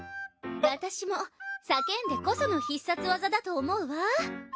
私も叫んでこその必殺技だと思うわ。